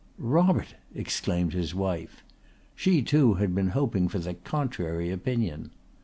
"Robert!" exclaimed his wife. She too had been hoping for the contrary opinion.